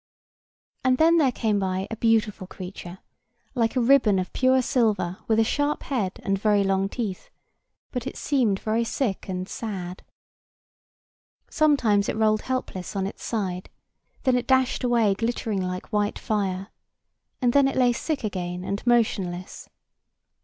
And then there came by a beautiful creature, like a ribbon of pure silver with a sharp head and very long teeth; but it seemed very sick and sad. Sometimes it rolled helpless on its side; and then it dashed away glittering like white fire; and then it lay sick again and motionless.